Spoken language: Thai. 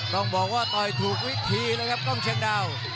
ต้องบอกว่าต่อยถูกวิธีเลยครับกล้องเชียงดาว